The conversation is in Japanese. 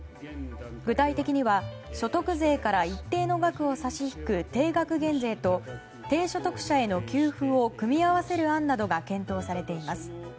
具体的には、所得税から一定の額を差し引く定額減税と低所得者への給付を組み合わせる案などが検討されています。